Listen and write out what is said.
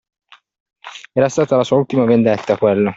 Era stata la sua ultima vendetta, quella!